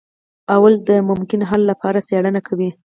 لومړی د ممکنه حل لپاره څیړنه کوي.